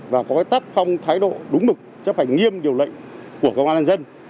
và có cái tác phong thái độ đúng lực chấp hành nghiêm điều lệnh của công an an dân